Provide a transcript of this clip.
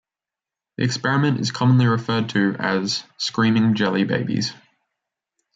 The experiment is commonly referred to as "screaming jelly babies".